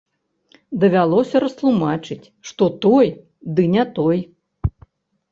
Давялося растлумачыць, што той, ды не той.